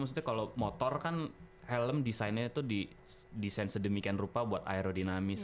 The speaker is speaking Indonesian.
maksudnya kalo motor kan helm desainnya tuh di desain sedemikian rupa buat aerodinamis